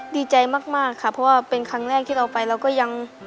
ดีใจมากค่ะเพราะว่าเป็นครั้งแรกที่เราไปเราก็ยัง